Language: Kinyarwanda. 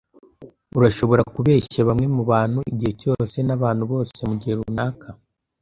Urashobora kubeshya bamwe mubantu igihe cyose, nabantu bose mugihe runaka,